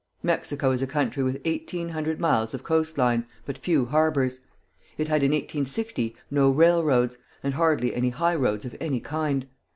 Mexico is a country with eighteen hundred miles of coast line, but few harbors. It had in 1860 no railroads, and hardly any highroads of any kind.